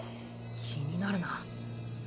気になるな。